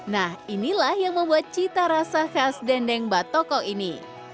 nah inilah yang membuat cita rasa khas dendeng batoko ini